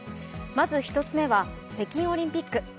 まず１つ目は北京オリンピック。